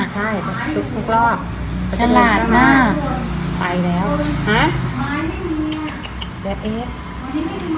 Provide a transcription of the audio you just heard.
ใช่ทุกทุกรอบไปตลาดมากไปแล้วฮะ